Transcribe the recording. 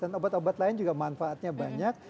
dan obat obat lain juga manfaatnya banyak